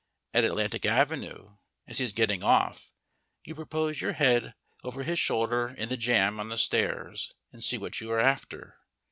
At Atlantic Avenue, as he is getting off, you propose your head over his shoulder in the jam on the stairs and see what you are after.